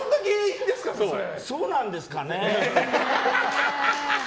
そうなんですかね。